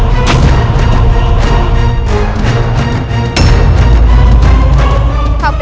tidak ada orang di terhadap